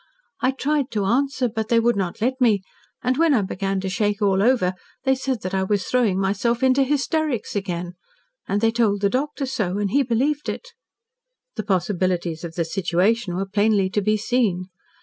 I tried to answer, but they would not let me, and when I began to shake all over, they said that I was throwing myself into hysterics again. And they told the doctor so, and he believed it." The possibilities of the situation were plainly to be seen.